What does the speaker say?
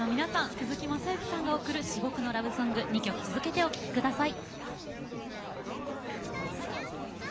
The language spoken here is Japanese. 鈴木雅之さんが送る至極のラブソング２曲続けてお聴き下さい。